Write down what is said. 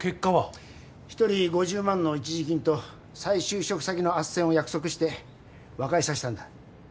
１人５０万の一時金と再就職先の斡旋を約束して和解させたんだ。